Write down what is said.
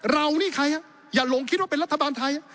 เรานี่ใครฮะอย่าหลงคิดว่าเป็นรัฐบาลไทย